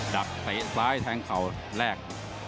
ดักไตใส้แทงเขาแลก